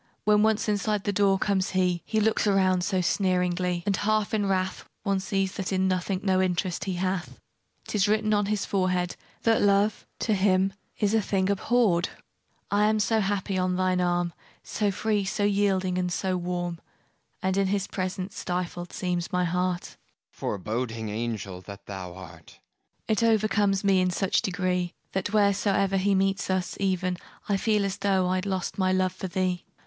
When once inside the door comes he, He looks around so sneeringly, And half in wrath: One sees that in nothing no interest he hath: 'Tis written on his very forehead That love, to him, is a thing abhorréd. I am so happy on thine arm, So free, so yielding, and so warm, And in his presence stifled seems my heart. FAUST Foreboding angel that thou art! MARGARET It overcomes me in such degree, That wheresoe'er he meets us, even, I feel as though I'd lost my love for thee.